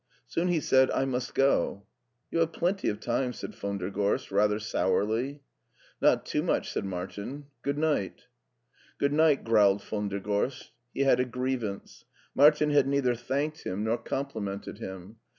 Soon he said, " I must go." "You have plenty of time," said von der Gorst, rather sourly. Not tpo much," said Martin ;" good night." Good night," growled von der Gorst. He had a grievance. Martin had neither thanked him nor com it LEIPSIC 97 pliiMnted him.